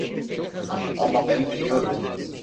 Ama ben biliyorum.